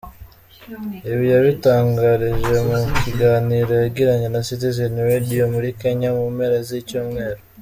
Ibi yabitangarije mu kiganiro yagiranye na Citizen Radio muri Kenya mu mpera z’icyumweru.